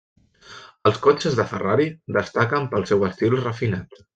Els cotxes de Ferrari destaquen pel seu estil refinat.